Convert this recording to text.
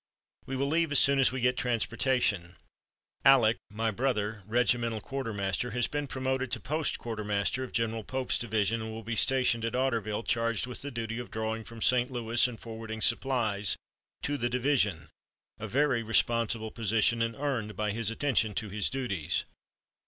We will leave as soon as we get transportation. "Aleck [my brother, regimental quartermaster] has been promoted to post quartermaster of General Pope's division, and will be stationed at Otterville, charged with the duty of drawing from St. Louis and forwarding supplies to the division, a very responsible position, and earned by his attention to his duties."